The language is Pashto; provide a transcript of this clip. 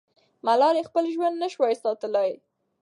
ملالۍ خپل ژوند نه سوای ساتلی.